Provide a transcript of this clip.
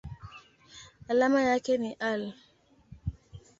Alama yake ni Al.